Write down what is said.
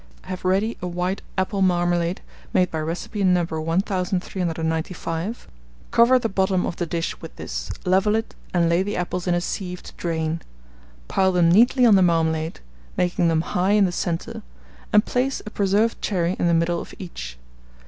Have ready a white apple marmalade, made by recipe No. 1395; cover the bottom of the dish with this, level it, and lay the apples in a sieve to drain, pile them neatly on the marmalade, making them high in the centre, and place a preserved cherry in the middle of each.